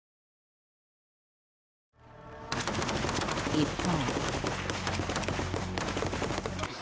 一方。